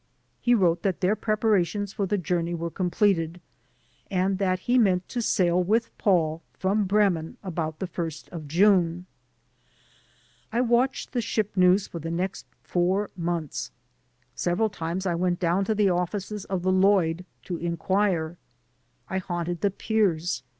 He wrote that their preparations for the journey were completed, and that he meant to sail with Paul from Bremen about the 1st of June. I watched the ship news for the next four months. Several times I went down to the offices of the Lloyd to inquire. I haunted the piers.